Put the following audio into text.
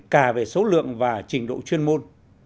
cả về số lượng và trình độ chuyên môn